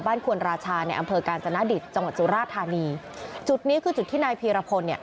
ควนราชาในอำเภอกาญจนดิตจังหวัดสุราธานีจุดนี้คือจุดที่นายพีรพลเนี่ย